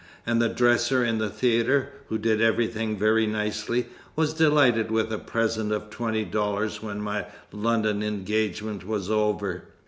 And the dresser in the theater, who did everything very nicely, was delighted with a present of twenty dollars when my London engagement was over."